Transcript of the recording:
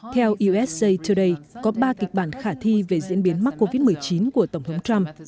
theo usa today có ba kịch bản khả thi về diễn biến mắc covid một mươi chín của tổng thống trump